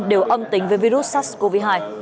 đều âm tính với virus sars cov hai